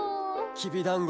きびだんご！